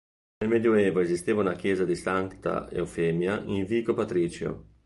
Nel Medioevo esisteva una chiesa di "Sancta Euphemia in vico Patricio".